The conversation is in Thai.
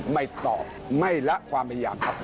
ไม่ตอบไม่ละความพยายามครับ